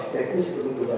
teknis itu juga